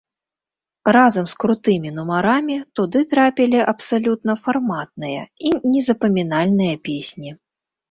Разам з крутымі нумарамі туды трапілі абсалютна фарматныя і незапамінальныя песні.